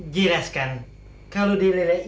jelaskan kalau di lela ini